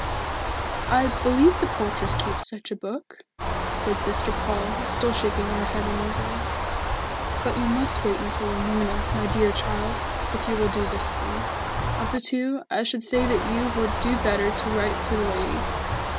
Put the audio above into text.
"I believe the portress keeps such a book," said Sister Paul still shaking her head uneasily. "But you must wait until the morning, my dear child, if you will do this thing. Of the two, I should say that you would do better to write to the lady.